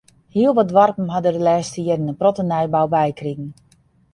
Hiel wat doarpen ha der de lêste jierren in protte nijbou by krige.